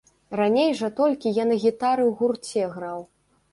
Раней жа толькі я на гітары ў гурце граў.